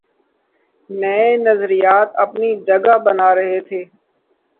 نئے نظریات اپنی جگہ بنا رہے تھے